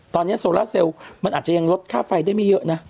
ตอนนี้โซล่าเซลล์มันอาจจะยังลดค่าไฟได้ไม่เยอะนะ